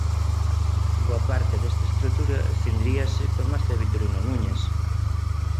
Boa parte desta estrutura escindiríase coa marcha de Victorino Núñez.